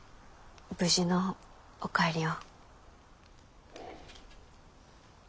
無事のお帰りを。